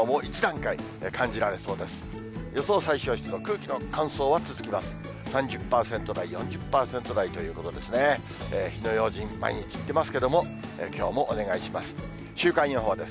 火の用心、毎日言ってますけれども、きょうもお願いします。